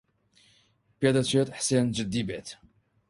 پێدەچێت حسێن جددی بێت.